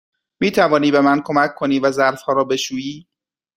می توانی به من کمک کنی و ظرف ها را بشویی؟